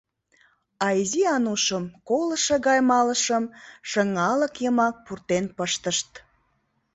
А Изи Анушым колышо гай малышым шыҥалык йымак пуртен пыштышт.